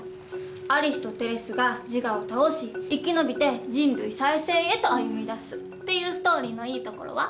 アリスとテレスがジガを倒し生き延びて人類再生へと歩みだすっていうストーリーのいいところは？